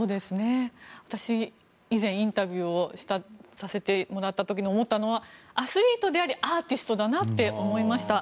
私、以前、インタビューをさせてもらった時に思ったのはアスリートでありアーティストだなって思いました。